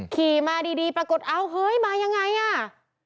ขี่มาดีปรากฏเอ้าเฮ้ยมายังไงอ่ะ